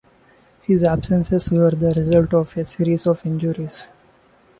His absences were the result of a series of injuries.